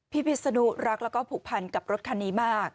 พิษนุรักแล้วก็ผูกพันกับรถคันนี้มาก